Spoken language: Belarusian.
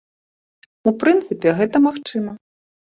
У прынцыпе гэта магчыма.